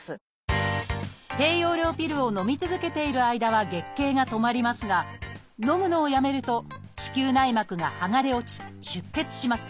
低用量ピルをのみ続けている間は月経が止まりますがのむのをやめると子宮内膜がはがれ落ち出血します。